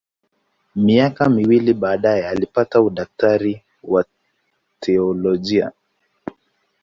Miaka miwili baadaye alipata udaktari wa teolojia.